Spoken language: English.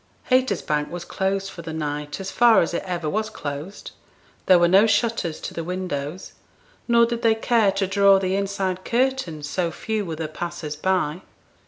Haytersbank was closed for the night as far as it ever was closed; there were no shutters to the windows, nor did they care to draw the inside curtains, so few were the passers by.